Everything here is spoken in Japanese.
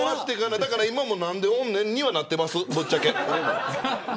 だから今も、何でおんねんにはなってます、ぶっちゃけ。